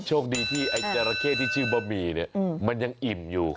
โชคดีที่ไอ้จราเข้ที่ชื่อบะหมี่เนี่ยมันยังอิ่มอยู่